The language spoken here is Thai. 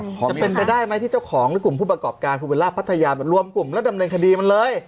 จะเป็นไปได้ไหมที่เจ้าของหรือกลุ่มผู้ประกอบการภูเบลล่าพัทยารวมกลุ่มแล้วดำเนินคดีมันเลย